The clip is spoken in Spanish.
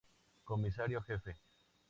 Comisario Jefe.